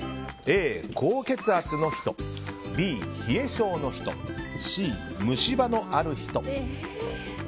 Ａ、高血圧の人Ｂ、冷え性の人Ｃ、虫歯のある人。